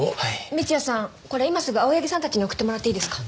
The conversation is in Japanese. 三ツ矢さんこれ今すぐ青柳さんたちに送ってもらっていいですか？